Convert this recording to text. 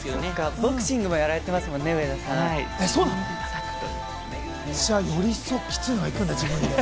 ボクシングもやられてますもんね、上田さん。より一層きついのがいくんだ。